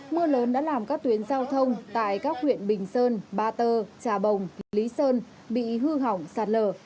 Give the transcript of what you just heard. mưa lớn đã làm các tuyến giao thông tại các huyện bình sơn ba tơ trà bồng lý sơn bị hư hỏng sạt lở